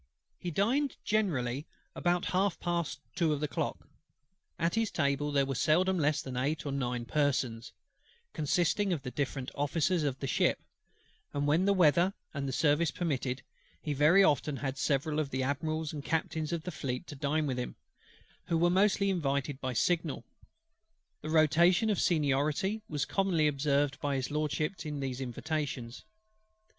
He dined generally about half past two o'clock. At his table there were seldom less than eight or nine persons, consisting of the different Officers of the ship: and when the weather and the service permitted, he very often had several of the Admirals and Captains in the Fleet to dine with him; who were mostly invited by signal, the rotation of seniority being commonly observed by HIS LORDSHIP in these invitations.